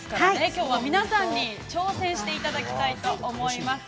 きょうは皆さんに挑戦していただきたいと思います。